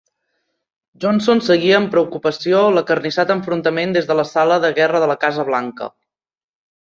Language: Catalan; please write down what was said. Johnson seguia amb preocupació l'acarnissat enfrontament des de la sala de guerra de la Casa Blanca.